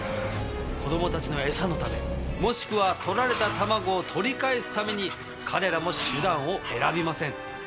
子供たちの餌のためもしくは取られた卵を取り返すために彼らも手段を選びません。